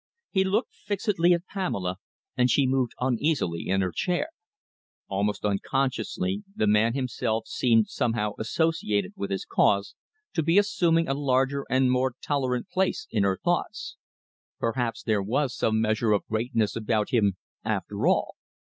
He looked fixedly at Pamela, and she moved uneasily in her chair. Almost unconsciously the man himself seemed somehow associated with his cause, to be assuming a larger and more tolerant place in her thoughts. Perhaps there was some measure of greatness about him after all.